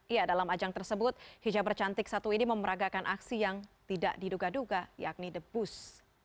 iya dalam ajang tersebut hijaber cantik satu ini memeragakan aksi yang tidak diduga duga yakni the bus